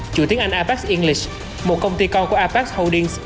chủ tiến anh apex english một công ty con của apex holdings